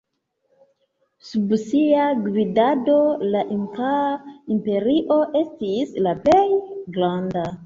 Sub sia gvidado la inkaa imperio estis la plej granda.